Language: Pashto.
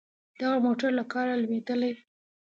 دغه موټر له کاره لوېدلی.